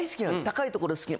高いところ好き